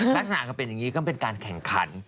ลักษณะก็เป็นอย่างนี้ก็เป็นการแข่งขัน